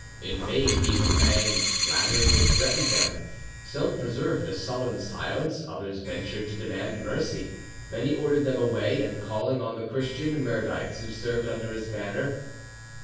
In vain he harangued, flattered, or threatened them; some preserved a sullen silence, others ventured to demand mercy. Then he ordered them away, and, calling on the Christian Mirdites who served under his banner.